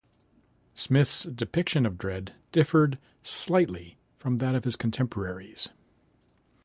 Smith's depiction of Dredd differed slightly from that of his contemporaries.